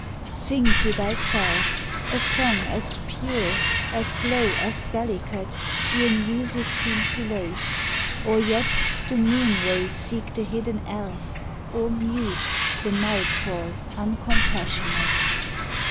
Sing to thyself A song as pure, as low, as delicate, Ere music seem too late, Or yet the moonray seek the hidden elf, Or mute, the night fall uncompassionate.